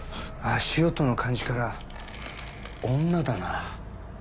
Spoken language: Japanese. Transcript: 足音の感じから女だな。